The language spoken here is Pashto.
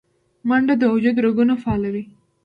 منډه د وجود رګونه فعالوي